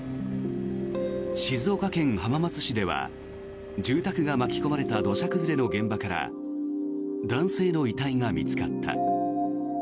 静岡県浜松市では住宅が巻き込まれた土砂崩れの現場から男性の遺体が見つかった。